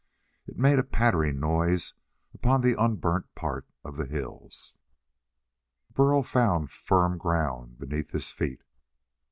It made a pattering noise upon the unburnt part of the hills. Burl found firm ground beneath his feet.